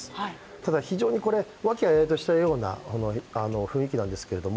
ただ、非常に和気あいあいとしたような雰囲気なんですけども